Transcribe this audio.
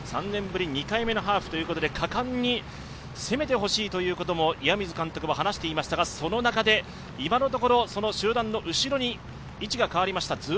３年ぶり２回目のハーフということで果敢に攻めてほしいということも監督は話していましたがその中で今のところ集団の後ろに位置が変わりました。